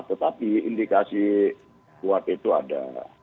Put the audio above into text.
tetapi indikasi kuat itu ada